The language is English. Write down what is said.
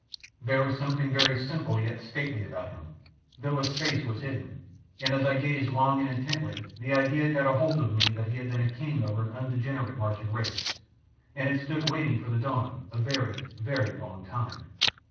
There was something very simple yet stately about him, though his face was hidden and as I gazed long and intently the idea got hold of me that he had been a king over an undegenerate Martian race, and had stood waiting for the Dawn a very, very long time.